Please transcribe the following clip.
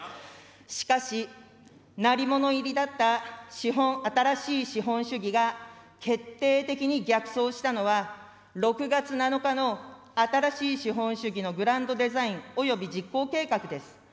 しかし、鳴り物入りだった新しい資本主義が決定的に逆走したのは、６月７日の新しい資本主義のグランドデザイン、及び実行計画です。